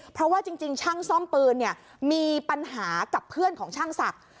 เพราะว่าจริงช่างซ่อมปืนเนี่ยมีปัญหากับเพื่อนของช่างศักดิ์